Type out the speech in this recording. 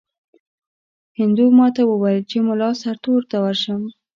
هندو ماته وویل چې مُلا سرتور ته ورشم.